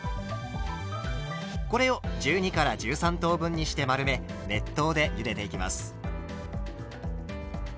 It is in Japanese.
これを１２１３等分にして丸め熱湯でゆでていきます。